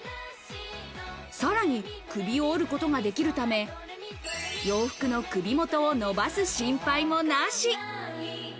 さらに首を折ることができるため、洋服の首元を伸ばす心配もなし。